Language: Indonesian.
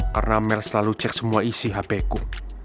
karena mel selalu cek semua isi hp ku